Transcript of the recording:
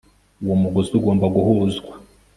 uwo mugozi ugomba guhuzwa